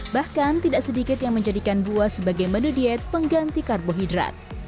bahkan tidak sedikit yang menjadikan buah sebagai menu diet pengganti karbohidrat